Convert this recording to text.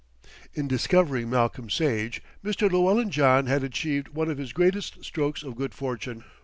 In discovering Malcolm Sage, Mr. Llewellyn John had achieved one of his greatest strokes of good fortune.